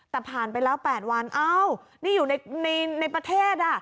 แต่ผ่านไปแล้ว๘วันอ้าวนี่อยู่ในประเทศอ่ะ